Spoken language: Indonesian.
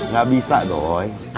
gak bisa doi